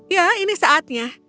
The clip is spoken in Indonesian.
ya ini saatnya